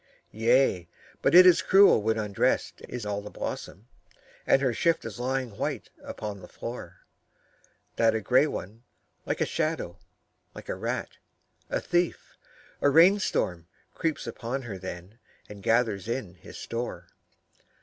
Yea, but it is cruel when undressed is all the blossom, And her shift is lying white upon the floor, That a grey one, like a shadow, like a rat, a thief, a rain storm Creeps upon her then and gathers in his store.